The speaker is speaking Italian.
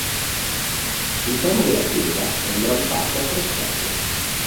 L'interno della chiesa è in gran parte affrescato.